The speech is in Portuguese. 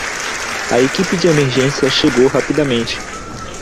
A equipe de emergência chegou rapidamente.